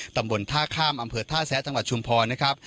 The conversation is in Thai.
ตำบลท่าข้ามอำเภอท่าแซะจังหวัดชุมพรนะครับ